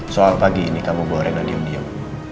soal pagi ini kamu bawa rena diam diam